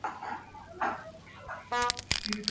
位于瑞士西部法语区沃州的贝城。